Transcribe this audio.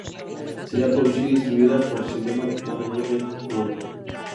Sería producida y distribuida por Cinema Management Group.